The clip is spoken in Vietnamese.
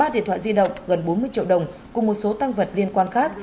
ba điện thoại di động gần bốn mươi triệu đồng cùng một số tăng vật liên quan khác